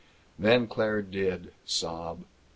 Then Claire did sob.